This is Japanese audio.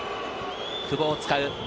久保を使う。